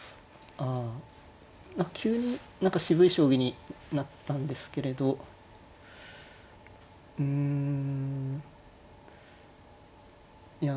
あ急に何か渋い将棋になったんですけれどうんいや